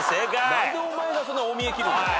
何でお前が大見え切るんだよ。